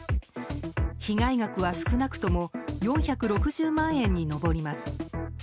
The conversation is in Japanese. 被害額は少なくとも４６０万円に上ります。